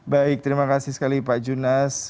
baik terima kasih sekali pak junas